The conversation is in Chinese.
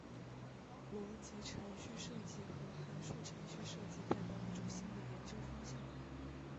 逻辑程序设计和函数程序设计代表一种新的研究方向。